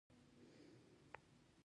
باغونه هوا تازه کوي